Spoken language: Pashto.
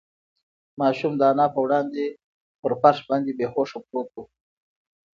ماشوم د انا په وړاندې په فرش باندې بې هوښه پروت و.